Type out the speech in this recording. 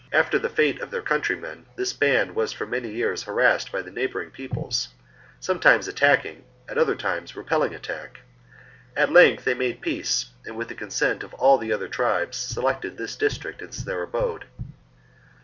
After the fate of their countrymen this band was for many years harassed by the neighbouring peoples, sometimes attacking, at other times repelling attack : at length they made peace, and with the consent of all the other tribes selected this district as their abode. Caesar be 30.